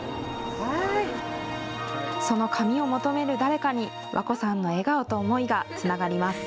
その髪を求める誰かに和恋さんの笑顔と思いがつながります。